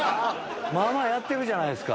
まぁまぁやってるじゃないすか。